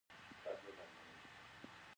هغه د مینه پر څنډه ساکت ولاړ او فکر وکړ.